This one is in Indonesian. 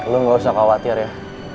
lu gak usah khawatir ya